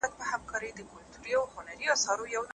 قوالې چي د جنت یې ورکولې